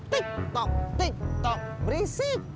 tik tok tik tok berisik